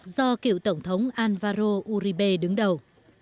do cựu tổng thống alvaro uribe đứng đầu